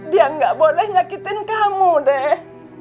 dia nggak boleh nyakitin kamu deh